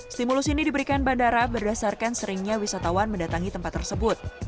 stimulus ini diberikan bandara berdasarkan seringnya wisatawan mendatangi tempat tersebut